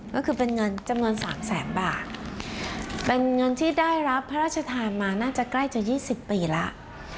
ก็คือเป็นเงินจำนวน๓แสนบาทเป็นเงินที่ได้รับพระราชทานมาน่าจะใกล้จะ๒๐ปีแล้ว